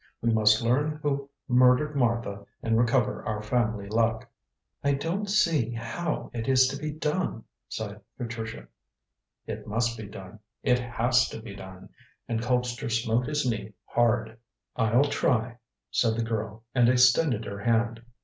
We must learn who murdered Martha and recover our family luck." "I don't see how it is to be done," sighed Patricia. "It must be done; it has to be done," and Colpster smote his knee hard. "I'll try," said the girl and extended her hand.